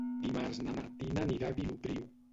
Dimarts na Martina anirà a Vilopriu.